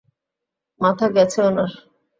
মাথা গেছে উনার।